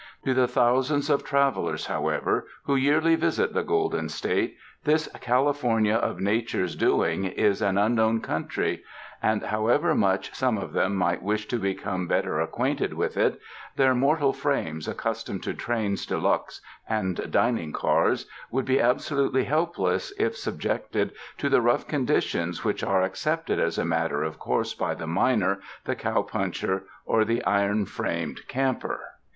To the thousands of travelers, however, who yearly visit the Golden State, this California of Nature's doing is an un known country; and however much some of them might wish to become better acquainted with it, their mortal frames, accustomed to trains de luxe and dining cars, would be absolutely helpless if sub jected to the rough conditions which are accepted PKEFACE as a matter of course by the miner, the cow puncher or the iron framed camper.